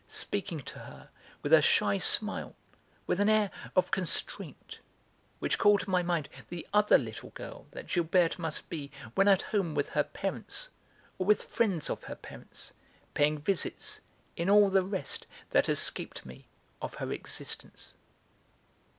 speaking to her with a shy smile, with an air of constraint which called to my mind the other little girl that Gilberte must be when at home with her parents, or with friends of her parents, paying visits, in all the rest, that escaped me, of her existence.